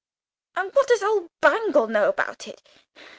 And what does old Bangle know about it?